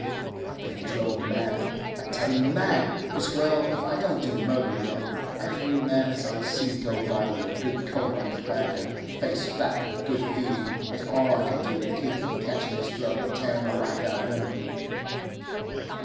I've been drove mad, I tell you—mad! It's well if I don't do murder yet; every man as I see go by with a good coat on his back and a face fat with good feeding, it's all I can do to keep from catchin' his throat an tearin' the life out of him!